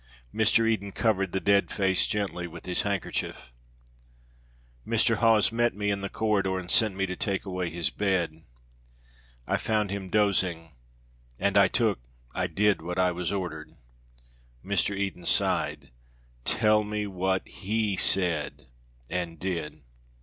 Mr. Eden covered the dead face gently with his handkerchief. "Mr. Hawes met me in the corridor and sent me to take away his bed. I found him dozing, and I took I did what I was ordered." Mr. Eden sighed. "Tell me what he said and did."